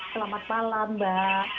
selamat malam mbak